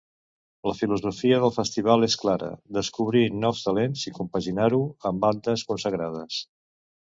La filosofia del festival és clara, descobrir nous talents i compaginar-ho amb bandes consagrades.